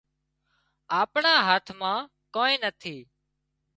آپڻا هاٿ مان ڪانئين نٿي